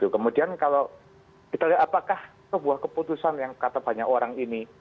kemudian kalau kita lihat apakah sebuah keputusan yang kata banyak orang ini